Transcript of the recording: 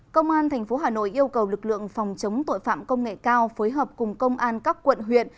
công an tp hà nội yêu cầu lực lượng phòng chống tội phạm công nghệ cao phối hợp cùng công an các quận huyện